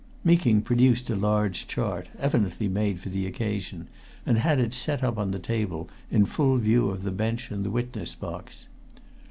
Meeking produced a large chart, evidently made for the occasion, and had it set up on the table, in full view of the bench and the witness box.